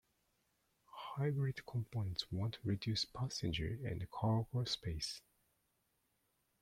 Hybrid components won't reduce passenger and cargo space.